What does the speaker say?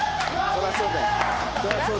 そりゃそうですよ。